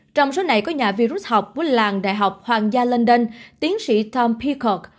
trong số này có nhà vi rút học của làng đại học hoàng gia london tiến sĩ tom peacock